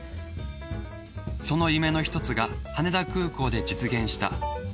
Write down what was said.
その夢の１つが羽田空港で実現した。